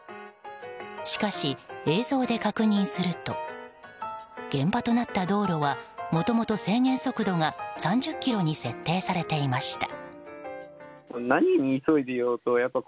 しかし、映像で確認すると現場となった道路はもともと制限速度が３０キロに設定されていました。